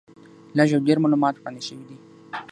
لږ او ډېر معلومات وړاندې شوي دي.